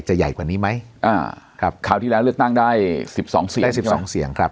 จะใหญ่กว่านี้ไหมเขาที่น้ำเลือกนั่งได้๑๒เสียง๑๒เสียงครับ